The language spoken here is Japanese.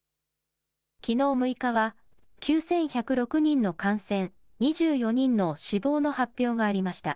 きのう６日は、９１０６人の感染、２４人の死亡の発表がありました。